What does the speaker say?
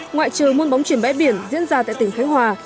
ngoại trừ môn bóng truyền bãi biển diễn ra tại tỉnh khánh hòa